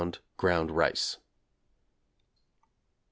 ground rice. =83.